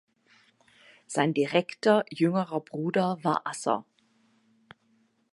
Sein direkter, jüngerer Bruder war Asser.